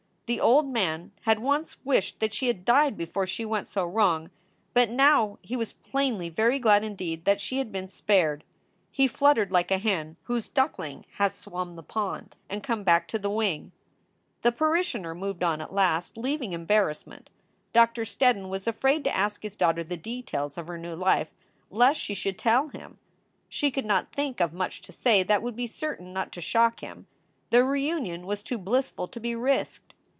The old man had once wished that she had died before she went so wrong, but now he was plainly very glad indeed that she had been spared. He fluttered like a hen whose duckling has swum the pond and come back to the wing. 394 SOULS FOR SALE The parishioner moved on at last, leaving embarrassment. Doctor Steddon was afraid to ask his daughter the details of her new life, lest she should tell him. She could not think of much to say that would be certain not to shock him. The reunion was too blissful to be risked.